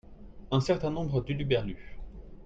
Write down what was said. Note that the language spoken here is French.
Un certains nombre d'huluberlus.